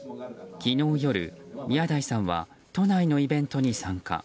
昨日夜、宮台さんは都内のイベントに参加。